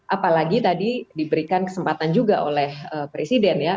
apalagi tadi diberikan kesempatan juga oleh presiden ya